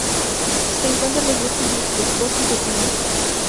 Se encuentra en los bosques mixtos, bosques de "Pinus".